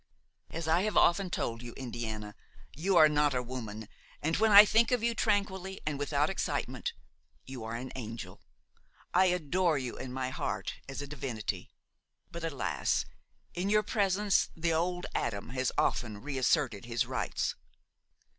As I have often told you, Indiana, you are not a woman, and, when I think of you tranquilly and without excitement, you are an angel. I adore you in my heart as a divinity. But alas! in your presence the old Adam has often reasserted his rights.